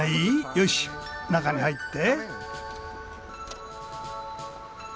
よし中に入って。